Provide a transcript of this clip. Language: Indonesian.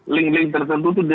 mungkin juga ada orang orang ya